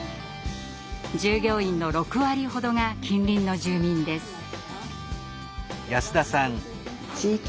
従業員の６割ほどが近隣の住民です。